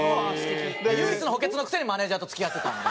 唯一の補欠のくせにマネージャーと付き合ってたんで。